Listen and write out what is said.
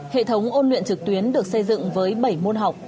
hệ thống ôn luyện trực tuyến được xây dựng với bảy môn học